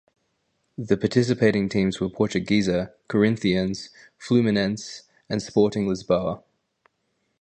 The participating teams were Portuguesa, Corinthians, Fluminense and Sporting Lisboa.